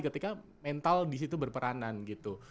ketika mental disitu berperanan gitu